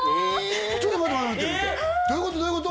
ちょっと待って待ってどういうこと？